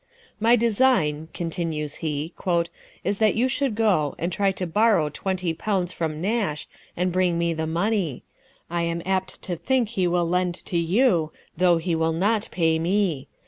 " My design," continues he, " is that you should go, and try to borrow twenty pounds from Nash, and bring me the money. I am apt to think he will lend to you, though he will not pay me.